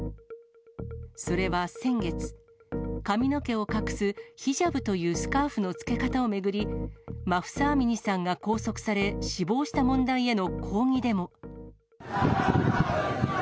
それは先月、髪の毛を隠すヒジャブというスカーフのつけ方を巡り、マフサ・アミニさんが拘束され、死亡した問題への抗議デモ。